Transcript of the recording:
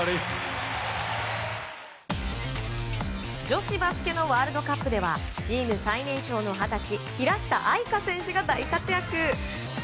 女子バスケのワールドカップではチーム最年少の二十歳平下愛佳選手が大活躍。